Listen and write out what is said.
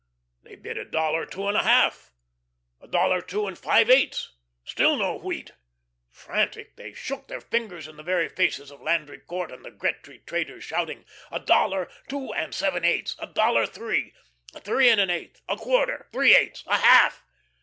They bid a dollar two and a half, a dollar two and five eighths; still no wheat. Frantic, they shook their fingers in the very faces of Landry Court and the Gretry traders, shouting: "A dollar, two and seven eighths! A dollar, three! Three and an eighth! A quarter! Three eighths! A half!"